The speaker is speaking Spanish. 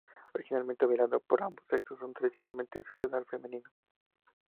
Originalmente bailado por ambos sexos, está tradicionalmente asociado al femenino.